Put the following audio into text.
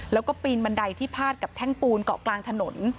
แล้วก็ปีนบันไดที่พาดกับแท่งปูนเกาะกลางถนน